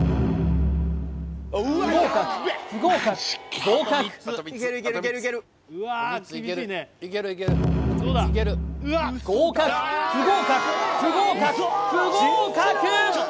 不合格不合格合格合格不合格不合格不合格！